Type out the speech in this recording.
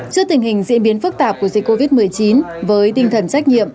trước tình hình diễn biến phức tạp của dịch covid một mươi chín với tinh thần trách nhiệm